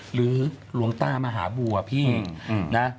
หรือหลวงต้ามหาบัวพี่นะ